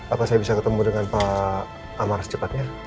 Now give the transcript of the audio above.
apa saya bisa ketemu dengan pak amar secepatnya